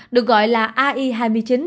được gọi là ai hai mươi chín